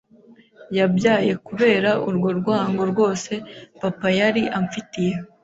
yabyaye kubera urwo rwango rwose papa yari amfitiye